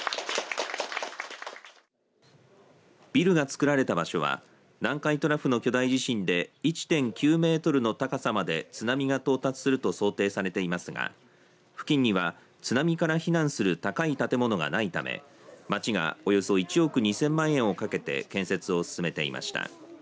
ビルが作られた場所は南海トラフの巨大地震で１．９メートルの高さまで津波が到達すると想定されていますが付近には、津波から避難する高い建物がないため町がおよそ１億２０００万円をかけて建設を進めていました。